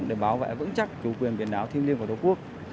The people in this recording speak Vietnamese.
để bảo vệ vững chắc chủ quyền biển đảo thiên liêng của tổ quốc